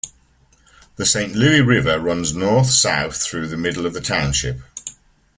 The Saint Louis River runs north-south through the middle of the township.